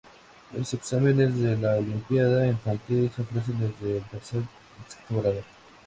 Los exámenes de la Olimpiada Infantil se ofrecen desde el tercer al sexto grado.